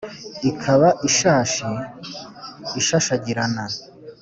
Ikaba ishashi ishashagirana